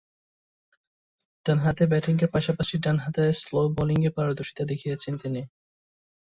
ডানহাতে ব্যাটিংয়ের পাশাপাশি ডানহাতে স্লো বোলিংয়ে পারদর্শীতা দেখিয়েছেন তিনি।